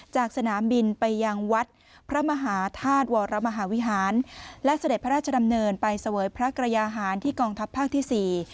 จากสนามบินไปยังวัดพระมหาธาตุวรมหาวิหารและเสด็จพระราชดำเนินไปเสวยพระกระยาหารที่กองทัพภาคที่สี่